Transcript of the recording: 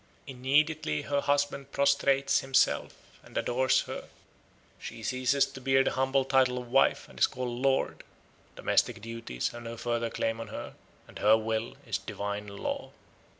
Immediately her husband prostrates himself and adores her; she ceases to bear the humble title of wife and is called "Lord"; domestic duties have no further claim on her, and her will is a divine law.